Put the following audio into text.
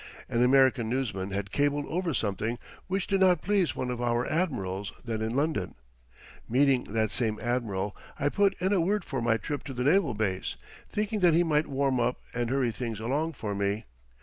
An American newsman had cabled over something which did not please one of our admirals then in London. Meeting that same admiral, I put in a word for my trip to the naval base, thinking that he might warm up and hurry things along for me.